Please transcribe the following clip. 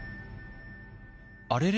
あれれ？